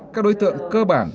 các đối tượng cơ bản